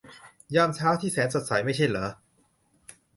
ยามเช้าที่แสนสดใส ไม่ใช่เหรอ